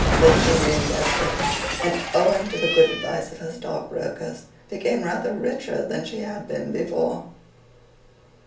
Then she reinvested, and, owing to the good advice of her stockbrokers, became rather richer than she had been before.